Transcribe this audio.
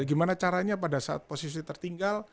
gimana caranya pada saat posisi tertinggal